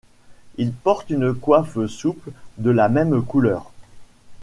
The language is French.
Il porte une coiffe souple de la même couleur.